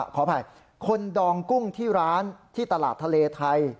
ขออภัยคนดองกุ้งที่ร้านที่ตลาดทะเลไทย